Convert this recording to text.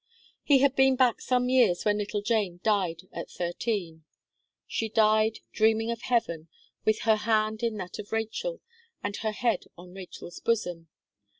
He had been back some years when little Jane died at thirteen. She died, dreaming of heaven, with her hand in that of Rachel, and her head on Rachel's bosom.